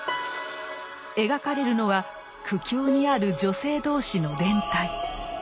描かれるのは苦境にある女性同士の連帯。